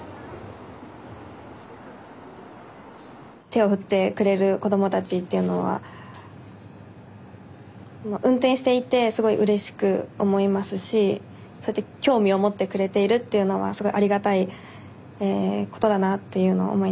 手を振ってくれる子供たちっていうのは運転していてすごいうれしく思いますしそうやって興味を持ってくれているっていうのはすごいありがたいことだなっていうのを思いながら運転しています。